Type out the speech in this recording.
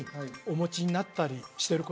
お持ちになってる？